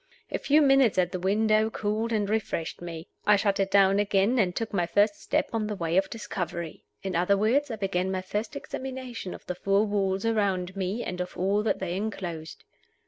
A few minutes at the window cooled and refreshed me. I shut it down again, and took my first step on the way of discovery. In other words, I began my first examination of the four walls around me, and of all that they inclosed.